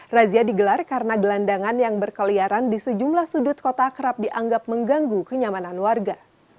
razia digelar karena gelandangan yang berkeliaran di sejumlah sudut kota kerap dianggap mengganggu kenyamanan warga